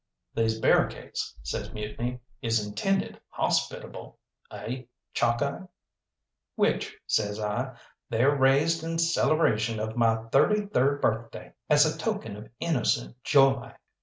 "These barricades," says Mutiny, "is intended hawspitable eh, Chalkeye?" "Which," says I, "they're raised in celebration of my thirty third birthday as a token of innocent joy."